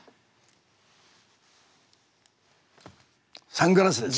「サングラス」です！